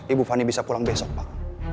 ibu fani bisa pulang besok pak